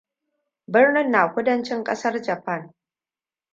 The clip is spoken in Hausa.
Birnin na kudancin ƙasar Japan.